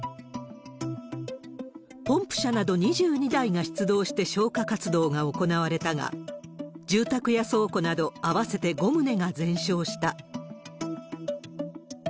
ポンプ車など２２台が出動して消火活動が行われたが、住宅や倉庫など合わせて５棟が全焼した。